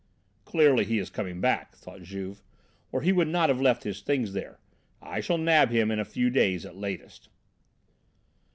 "Clearly he is coming back," thought Juve, "or he would not have left his things there. I shall nab him in a few days at latest."